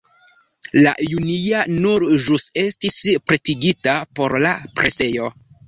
La junia nur ĵus estis pretigita por la presejo.